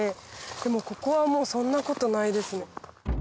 でもここはそんなことないですね。